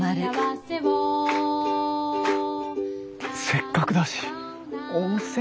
せっかくだし温泉